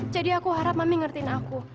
jadi aku harap mami ngertiin aku